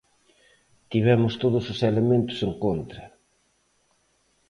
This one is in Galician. Tivemos todos os elementos en contra.